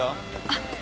あっ。